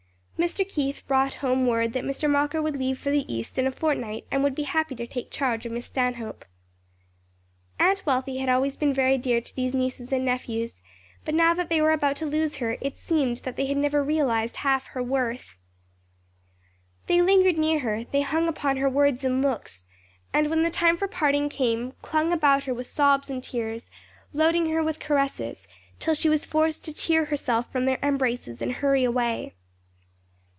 Mr. Keith brought home word that Mr. Mocker would leave for the East in a fortnight and would be happy to take charge of Miss Stanhope. Aunt Wealthy had always been very dear to these nieces and nephews, but now that they were about to lose her, it seemed to them that they had never realized half her worth. They lingered near her, they hung upon her words and looks, and when the time for parting came, clung about her with sobs and tears, loading her with caresses, till she was forced to tear herself from their embraces and hurry away.